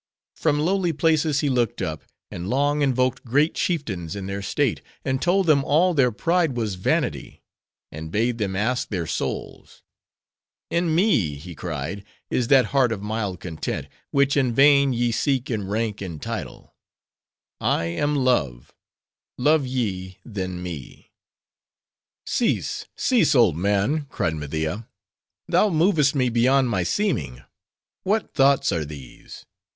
From lowly places, he looked up; and long invoked great chieftains in their state; and told them all their pride was vanity; and bade them ask their souls. 'In me,' he cried, 'is that heart of mild content, which in vain ye seek in rank and title. I am Love: love ye then me.'" "Cease, cease, old man!" cried Media; "thou movest me beyond my seeming. What thoughts are these?